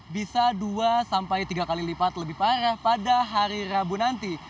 bisa dua sampai tiga kali lipat lebih parah pada hari rabu nanti